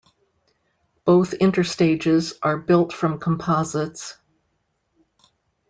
Both interstages are built from composites.